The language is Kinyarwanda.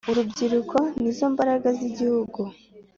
Urubyiruko nizo mbaraga z’Igihugu